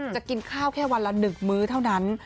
กินข้าวแค่วันละ๑มื้อเท่านั้น